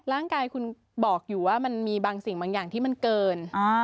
ร่างกายคุณบอกอยู่ว่ามันมีบางสิ่งบางอย่างที่มันเกิน